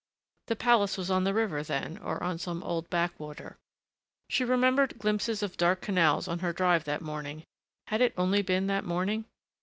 The palace was on the river, then, or on some old backwater. She remembered glimpses of dark canals on her drive that morning had it only been that morning?